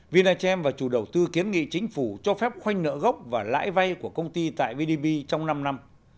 vinachem và chủ đầu tư kiến nghị chính phủ cho phép khoanh nợ gốc và lãi vay của công ty tại vdb trong năm năm